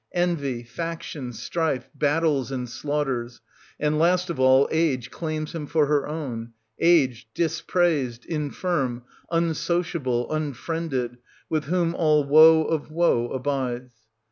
— envy, factions, strife, battles and slaughters ; and, last of all, age claims him for her own, — age, dispraised, infirm, unsociable, un friended, with whom all woe of woe abides.